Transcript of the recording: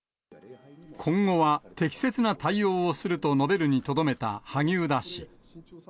今後は適切な対応をすると述べるにとどめた萩生田氏。